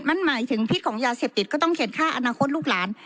มันหมายถึงพิษของยาเสพติดก็ต้องเขียนค่าอนาคตลูกหลาน